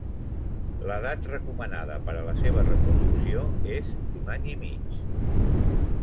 L'edat recomanada per a la seva reproducció és d'un any i mig.